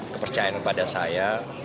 kepercayaan kepada saya